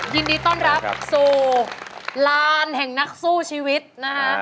ยินดีต้อนรับสู่ลานแห่งนักสู้ชีวิตนะฮะ